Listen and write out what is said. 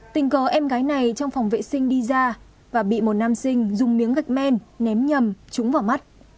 tình cờ em gái này trong phòng vệ sinh đi ra và bị một nam sinh dùng miếng gạch men ném nhầm trúng vào mắt